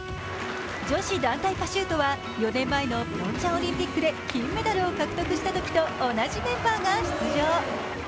女子団体パシュートは４年前のピョンチャンオリンピックで金メダルを獲得したときと同じメンバーが出場。